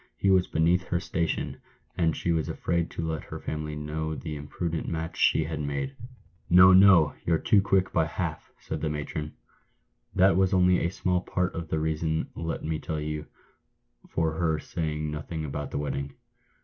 "He was beneath her station, and she was afraid to let her family know the imprudent match she had made." " No, no ! you're too quick by half," said the matron. " That was only a small part of the reason, let me tell you, for her saying no thing about the wedding.